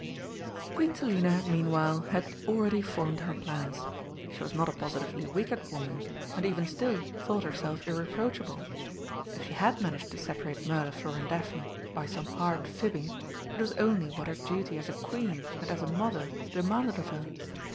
Queen Selina meanwhile had already formed her plans. She was not a positively wicked woman, and even still thought herself irreproachable. If she had managed to separate Mirliflor and Daphne by some hard fibbing, it was only what her duty as a Queen and as a Mother demanded of her.